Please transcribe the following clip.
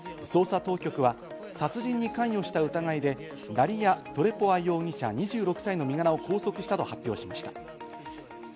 捜査当局は殺人に関与した疑いで、ダリヤ・トレポワ容疑者、２６歳の身柄を拘束したと発表しました。